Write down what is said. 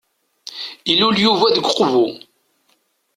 Ilul Yuba deg uqbu.